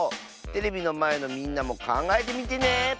テレビのまえのみんなもかんがえてみてね！